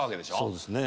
そうですね。